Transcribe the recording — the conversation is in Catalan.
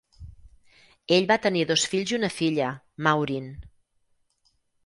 Ell va tenir dos fills i una filla, Maureen.